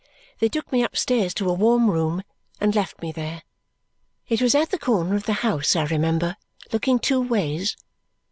They took me upstairs to a warm room and left me there. It was at the corner of the house, I remember, looking two ways.